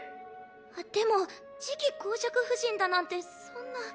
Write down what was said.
あっでも次期侯爵夫人だなんてそんな。